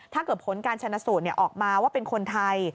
ถ้าเกิดผลการชนะสูตรออกมาว่าเป็นคนไทย